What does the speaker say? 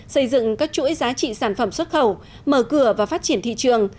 xây dựng các chuỗi giá trị sản phẩm xuất khẩu mở cửa và phát triển thị trường